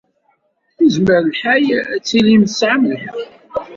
Yezmer lḥal ad tilim tesɛam lḥeqq.